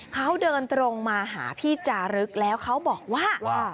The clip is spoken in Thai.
เขาเดินตรงมาหาพี่จารึกแล้วเขาบอกว่า